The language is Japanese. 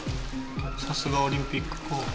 さすがオリンピック候補。